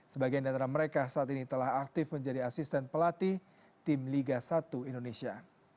sebagian dari mereka saat ini telah aktif menjadi asisten pelatih tim liga satu indonesia